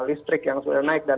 listrik yang sudah naik dan